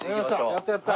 やったやった。